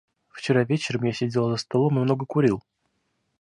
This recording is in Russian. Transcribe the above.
Вчера вечером я сидел за столом и много курил.